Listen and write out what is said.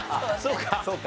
そうか。